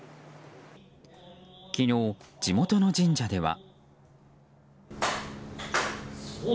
昨日、地元の神社では。